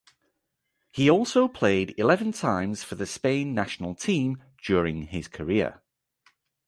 He also played eleven times for the Spain national team during his career.